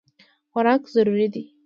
خوراک ضروري دی.